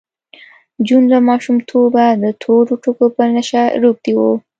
جون له ماشومتوبه د تورو ټکو په نشه روږدی و